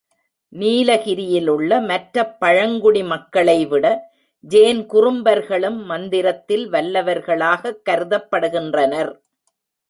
நீலகிரியிலுள்ள மற்ற பழங்குடி மக்களைவிட, ஜேன் குறும்பர்களும் மந்திரத்தில் வல்லவர்களாகக் கருதப்படுகின்றனர்.